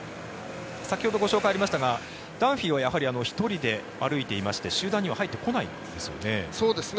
先ほどご紹介がありましたがダンフィーはやはり１人で歩いていまして集団には入ってこないんですよね。